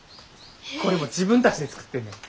これも自分たちで作ってんねん。